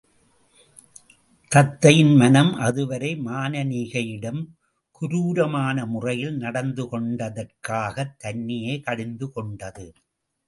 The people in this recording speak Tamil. தத்தையின் மனம் அதுவரை மானனீகையிடம் குரூரமான முறையில் நடந்து கொண்டதற்காகத் தன்னையே கடிந்து கொண்டது.